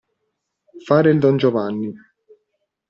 Fare il Don Giovanni.